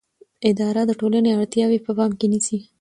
اداره د ټولنې اړتیاوې په پام کې نیسي.